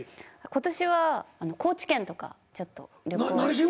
今年は高知県とかちょっと旅行しました。